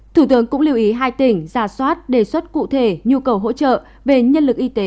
thủ tướng cũng lưu ý hai tỉnh giả soát đề xuất cụ thể nhu cầu hỗ trợ về nhân lực y tế